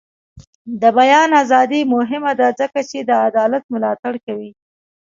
د بیان ازادي مهمه ده ځکه چې د عدالت ملاتړ کوي.